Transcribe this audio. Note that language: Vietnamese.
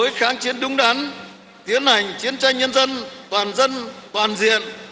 một là lối kháng chiến đúng đắn tiến hành chiến tranh nhân dân toàn dân toàn diện